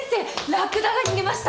ラクダが逃げました。